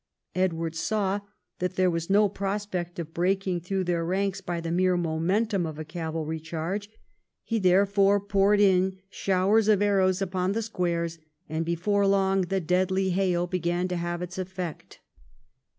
Edward saw that there Avas no prospect of breaking through their ranks by the mere momentum of a cavalry charge ; he therefore poured in showers of arrows upon the squares, and before long the deadly hail began to have its effect.